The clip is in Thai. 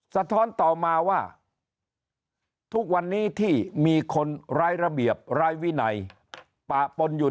สะท้อนต่อมาว่าทุกวันนี้ที่มีคนร้ายระเบียบร้ายวินัยปะปนอยู่